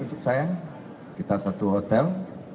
untuk saya kita satu hotel